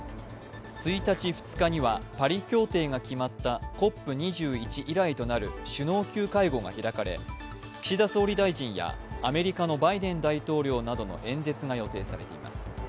１日、２日にはパリ協定が決まったＣＯＰ２１以来となる首脳級会合が開かれ、岸田総理大臣やアメリカのバイデン大統領などの演説が予定されています。